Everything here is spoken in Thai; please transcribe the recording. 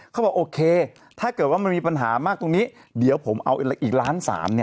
เขาบอกโอเคถ้าเกิดว่ามันมีปัญหามากตรงนี้เดี๋ยวผมเอาอีกล้านสาม